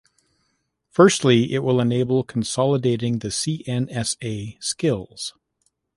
Firstly, it will enable consolidating the CNSA skills.